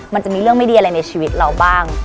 มันจะมีเรื่องไม่ดีอะไรในชีวิตเราบ้าง